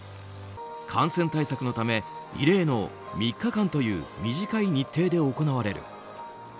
感染対策のため異例の３日間という短い日程で行われる。